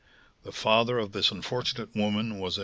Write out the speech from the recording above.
The father of this unfortunate woman was a M.